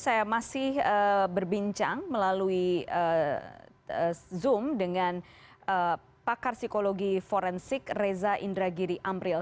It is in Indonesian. saya masih berbincang melalui zoom dengan pakar psikologi forensik reza indragiri amril